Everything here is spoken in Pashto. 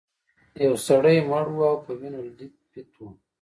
یو سړی مړ و او په وینو لیت پیت و.